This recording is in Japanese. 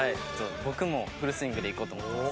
僕もフルスイングでいこうと思ってます。